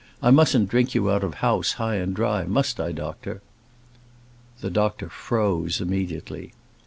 I mustn't drink you out of house, high and dry; must I, doctor?" The doctor froze immediately.